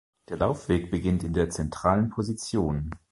Der Laufweg beginnt in der zentralen Position.